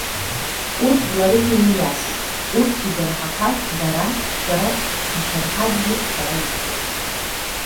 Урҭ жәларыкны имҩасит. Урҭ идырҳақәаз дара, шәара ишәырҳазгьы шәара ишәтәуп.